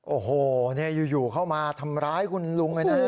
โอ้โหอยู่เข้ามาทำร้ายคุณลุงเลยนะ